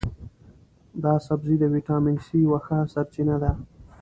دا سبزی د ویټامین سي یوه ښه سرچینه ده.